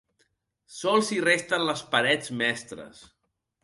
Sols hi resten les parets mestres.